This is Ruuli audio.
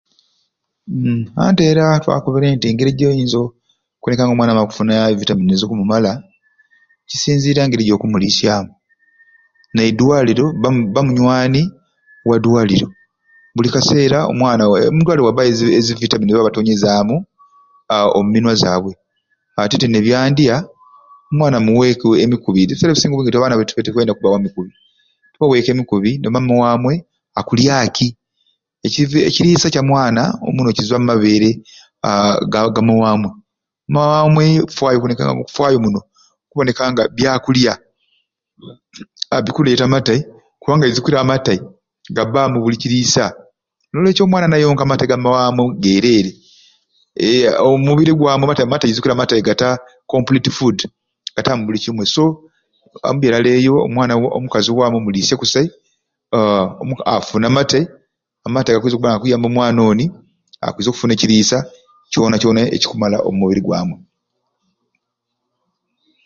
Uhhm anti era twokobere engeri gyoyinza okubona omwana wamu okufuna e vitamin ezikumumala kisinzira engeri gyokumulisyamu ne dwaliro ba ba munywani wa dwaliro buli kaseera omwana omu dwalira wabayo e vitamin zebatonyeza haa omumwina zaabwe ati ti nebyandya omwana muweku emikubi ebisera ebikusinga obwingi abaana tetwendya kubawa mikubi n'omawamei akulya ki ekirisa kya mwana omuno kizwa mu mabeere ga mawamei omwamwei fayo muno okubona nga byakula bikuleeta amate kubanga nzukira mate gabamu buli kiriisa nolekyo omwana nayonka amate ga mawamei gerere omubiri gwamwei nzukira amate gata coplete food gatamu buli kimwei so omubyere ali eyo omukazi mulisye kusai haa ofune amate haa amate akwiza okuyamba omwana oni afune ekiliisa kyona kyona ekikjmala omu mubiri gwamwei